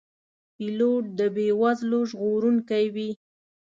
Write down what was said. پیلوټ د بې وزلو ژغورونکی وي.